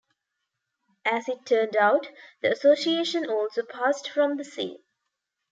As it turned out, the Association also passed from the scene.